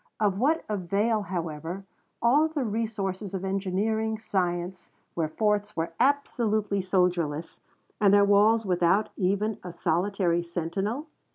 Of what avail, however, all the resources of engineering science, where forts were absolutely soldierless, and their walls without even a solitary sentinel?